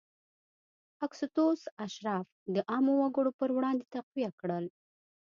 اګوستوس اشراف د عامو وګړو پر وړاندې تقویه کړل